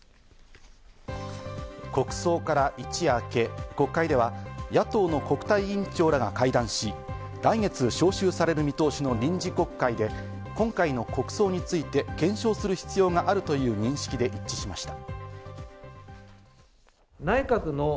国葬から一夜明け、国会では野党の国対委員長らが会談し、来月召集される見通しの臨時国会で今回の国葬について検証する必要があるという認識で一致しました。